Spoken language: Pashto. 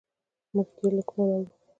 موږ تیل له کومه راوړو؟